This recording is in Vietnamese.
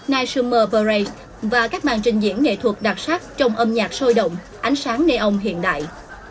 night summer parade và các bàn trình diễn nghệ thuật đặc sắc trong âm nhạc sôi động ánh sáng neon hiện đại